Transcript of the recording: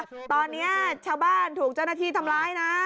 ตอนนี้ชาวบ้านถูกเจ้าหน้าที่ทำร้ายนะ